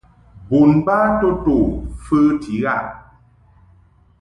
Bon ba to to fəti ghaʼ.